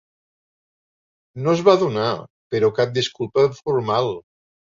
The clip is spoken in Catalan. No es va donar, però, cap disculpa formal.